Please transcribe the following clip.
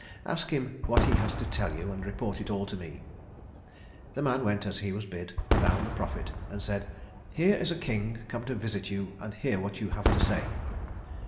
Ask him what he has to tell you, and report it all to me." The man went as he was bid, found the prophet and said, "Here is a king come to visit you and hear what you have to say."